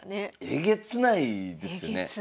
えげつないですよね。